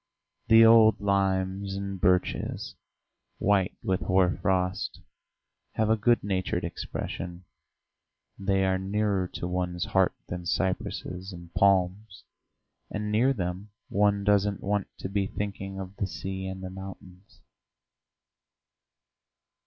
The old limes and birches, white with hoar frost, have a good natured expression; they are nearer to one's heart than cypresses and palms, and near them one doesn't want to be thinking of the sea and the mountains.